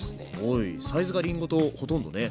サイズがりんごとほとんどね。